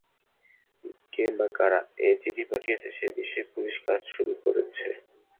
কে বা কারা এ চিঠি পাঠিয়েছে সে বিষয়ে পুলিশ কাজ শুরু করেছে।